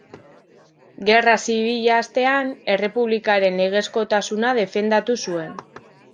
Gerra Zibila hastean errepublikaren legezkotasuna defendatu zuen.